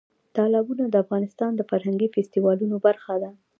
تالابونه د افغانستان د فرهنګي فستیوالونو برخه ده.